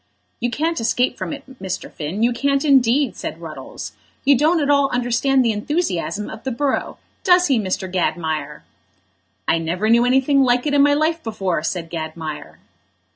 "You can't escape from it, Mr. Finn, you can't indeed," said Ruddles. "You don't at all understand the enthusiasm of the borough; does he, Mr. Gadmire?" "I never knew anything like it in my life before," said Gadmire.